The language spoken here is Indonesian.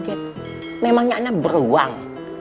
kenapa antum bisa ngajarin orang yang berpuasa